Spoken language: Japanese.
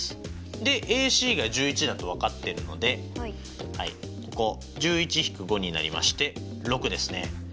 でＡＣが１１だと分かってるのでここ１１引く５になりまして６ですね。